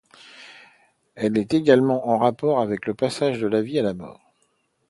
Elle est également en rapport avec le passage de la vie à la mort.